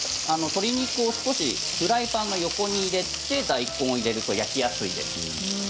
鶏肉をフライパンの横に入れて大根を入れると焼きやすいです。